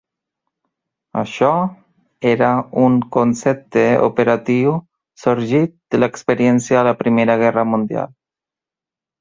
Això era un concepte operatiu sorgit de l'experiència a la Primera Guerra Mundial.